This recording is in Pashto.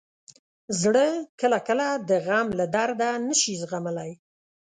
زړه کله کله د غم له درده نه شي زغملی.